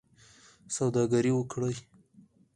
سوداګري وکړئ